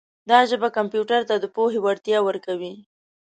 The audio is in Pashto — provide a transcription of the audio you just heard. دا ژبه کمپیوټر ته د پوهې وړتیا ورکوي.